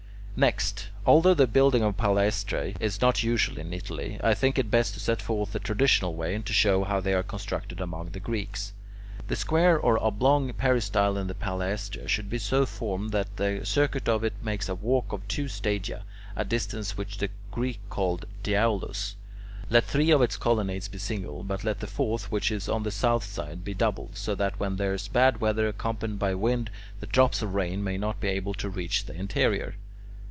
Next, although the building of palaestrae is not usual in Italy, I think it best to set forth the traditional way, and to show how they are constructed among the Greeks. The square or oblong peristyle in a palaestra should be so formed that the circuit of it makes a walk of two stadia, a distance which the Greeks call the [Greek: diaulos]. Let three of its colonnades be single, but let the fourth, which is on the south side, be double, so that when there is bad weather accompanied by wind, the drops of rain may not be able to reach the interior.